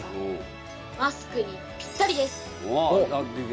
マスクにぴったりです！